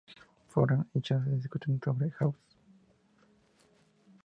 Foreman y Chase discuten sobre House.